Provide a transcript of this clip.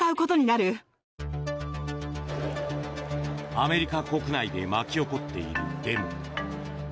アメリカ国内で巻き起こっているデモ。